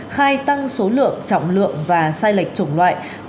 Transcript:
hai tăng số lượng trọng lượng và sai lệch chủng loại